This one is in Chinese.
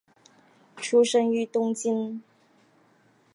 出生于东京。